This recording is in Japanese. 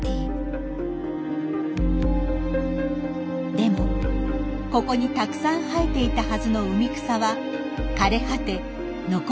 でもここにたくさん生えていたはずの海草は枯れ果て残っていません。